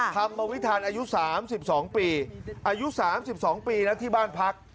ธรรมวิทันอายุ๓๒ปีอายุ๓๒ปีนะที่บ้านพัก